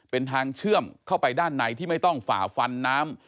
เป็นทางเชื่อมเข้าไปด้านในที่ไม่ต้องฝ่าฟันน้ำ